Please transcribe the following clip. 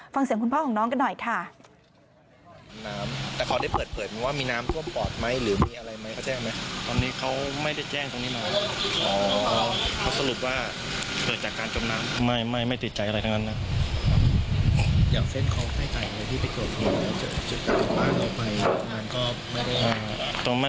ฟังเสียงคุณพ่อของน้องกันหน่อยค่ะ